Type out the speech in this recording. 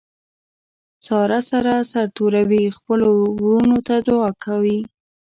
ساره سر سرتوروي خپلو ورڼو ته دعاکوي.